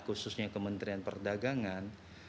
khususnya kementerian perdagangan